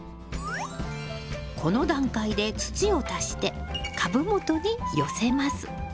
この段階で土を足して株元に寄せます。